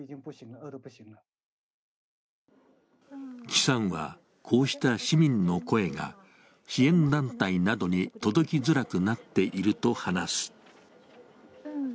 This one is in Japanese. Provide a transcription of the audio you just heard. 季さんは、こうした市民の声が支援団体などに届きづらくなっていると話す。